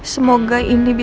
semoga ini bisa berakhir